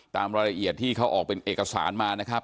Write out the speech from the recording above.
ตามรายละเอียดที่เขาออกเป็นเอกสารมานะครับ